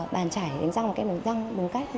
bàn chảy răng bằng răng đúng cách